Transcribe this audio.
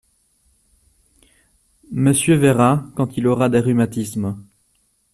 Monsieur verra, quand il aura des rhumatismes.